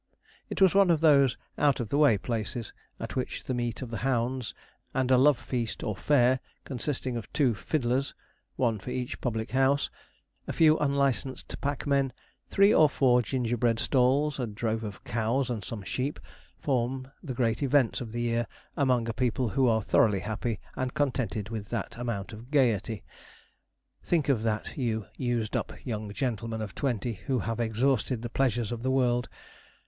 It was one of those out of the way places at which the meet of the hounds, and a love feast or fair, consisting of two fiddlers (one for each public house), a few unlicensed packmen, three or four gingerbread stalls, a drove of cows and some sheep, form the great events of the year among a people who are thoroughly happy and contented with that amount of gaiety. Think of that, you 'used up' young gentlemen of twenty, who have exhausted the pleasures of the world!